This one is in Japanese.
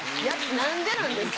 何でなんですか？